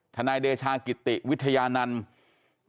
นายเดชากิติวิทยานันต์